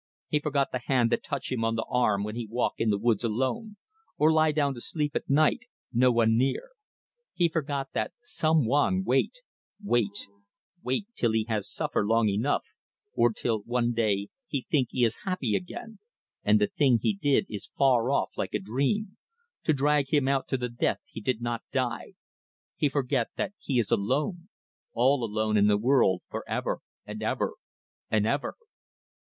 He forget the hand that touch him on the arm when he walk in the woods alone, or lie down to sleep at night, no one near. He forget that some one wait wait wait, till he has suffer long enough, or till, one day, he think he is happy again, and the Thing he did is far off like a dream to drag him out to the death he did not die. He forget that he is alone all alone in the world, for ever and ever and ever."